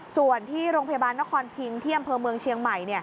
ส่วนที่โรงพยาบาลนครพิงที่อำเภอเมืองเชียงใหม่